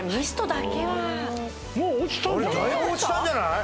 だいぶ落ちたんじゃない？